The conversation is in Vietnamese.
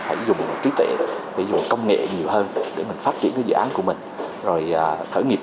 phải dùng trí tuệ phải dùng công nghệ nhiều hơn để mình phát triển cái dự án của mình rồi khởi nghiệp